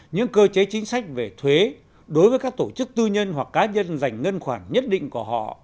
những cơ chế chính sách về thuế đối với các tổ chức tư nhân hoặc cá nhân dành ngân khoản nhất định của họ